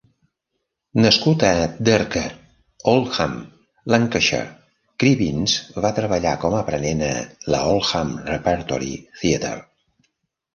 Nascut a Derker, Oldham, Lancashire, Cribbins va treballar com a aprenent a l'Oldham Repertory Theatre.